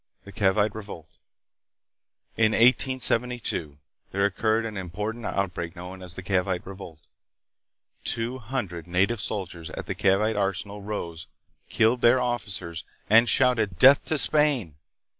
The Cavite Revolt. In 1872 there occurred an im portant outbreak known as the Cavite Revolt. Two hundred native soldiers at the Cavite arsenal rose, killed their officers, and shouted " Death to Spain!"